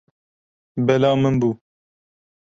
Bela min bû.